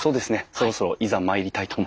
そろそろいざ参りたいと思います。